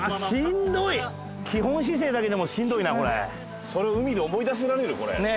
基本姿勢だけでもしんどいなこれそれ海で思い出せられる？